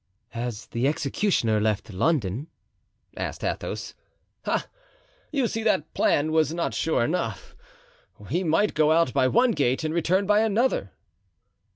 "Has the executioner left London?" asked Athos. "Ah, you see that plan was not sure enough; he might go out by one gate and return by another."